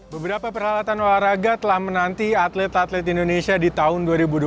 beberapa peralatan olahraga telah menanti atlet atlet indonesia di tahun dua ribu dua puluh empat